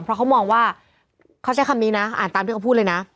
เพราะเขามองว่าเขาใช้คำนี้นะอ่านตามที่เขาพูดเลยนะ